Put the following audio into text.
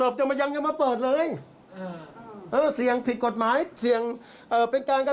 ฟังเสียงทนายเดชาค่ะ